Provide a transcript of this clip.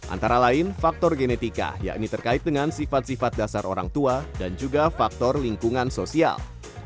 antara lain faktor genetika yakni terkait dengan sifat sifat dasar orang tua dan juga faktor lingkungan sosial